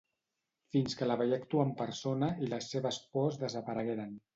Fins que la veié actuar en persona i les seves pors desaparegueren.